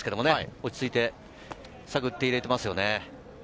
落ち着いて、探って入れていますよね。